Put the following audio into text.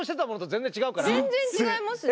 全然違いますね。